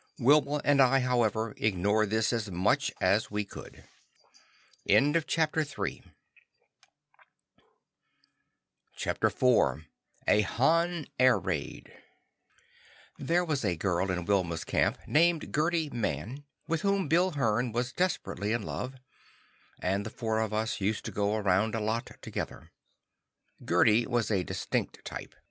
Wilma and I, however, ignored this as much as we could. CHAPTER IV A Han Air Raid There was a girl in Wilma's camp named Gerdi Mann, with whom Bill Hearn was desperately in love, and the four of us used to go around a lot together. Gerdi was a distinct type.